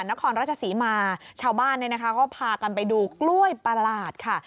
นครราชศรีมาชาวบ้านเนี่ยนะคะก็พากันไปดูกล้วยประหลาดค่ะ